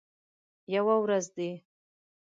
یوه ورځ دي